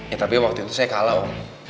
ya tapi waktu itu saya kalah om